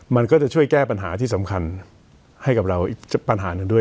มันก็จะช่วยแก้ปัญหาที่สำคัญให้กับเราอีกปัญหาหนึ่งด้วย